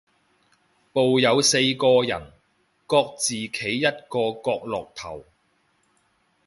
部有四個人，各自企一個角落頭